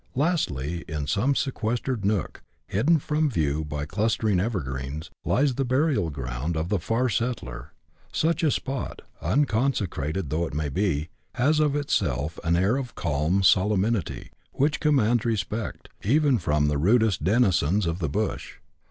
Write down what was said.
Lastly, in some sequestered nook, hidden from view by clus tering evergreens, lies the burial ground of the far settler. Such a spot, unconsecrated though it be, has of itself an air of calm solemnity which commands respect, even from the rudest denizens of the bush.